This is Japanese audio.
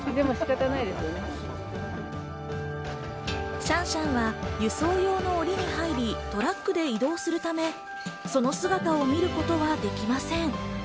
シャンシャンは輸送用のオリに入り、トラックで移動するため、その姿を見ることはできません。